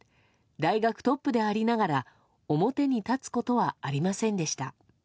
大学トップでありながら表に立つことはありませんでした。